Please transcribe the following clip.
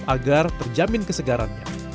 agar terjamin kesegarannya